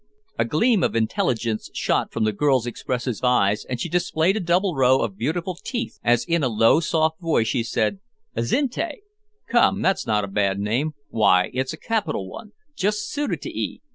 A gleam of intelligence shot from the girl's expressive eyes, and she displayed a double row of beautiful teeth as in a low soft voice she said "Azinte." "Azinte? come, that's not a bad name; why, it's a capital one. Just suited to 'ee.